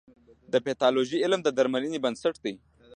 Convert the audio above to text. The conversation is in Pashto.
د پیتالوژي علم د درملنې بنسټ دی.